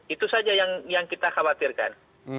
itu saja yang kita khawatirkan